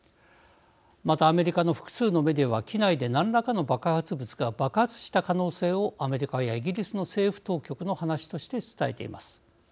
またアメリカの複数のメディアは機内で何らかの爆発物が爆発した可能性をアメリカやイギリスの政府当局の話として伝えています。